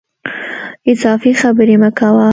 اضافي خبري مه کوه !